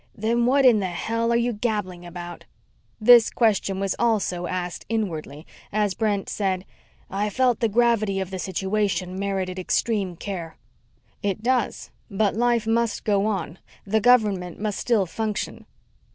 Then what in the hell are you gabbling about? This question was also asked inwardly as Brent said, "I felt the gravity of the situation merited extreme care." "It does. But life must go on. The government must still function."